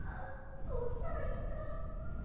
どうしたらいいんだ？